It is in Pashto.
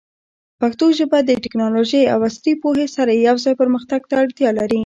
پښتو ژبه د ټیکنالوژۍ او عصري پوهې سره یوځای پرمختګ ته اړتیا لري.